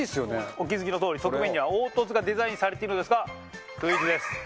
お気付きのとおり側面には凹凸がデザインされているのですがクイズです。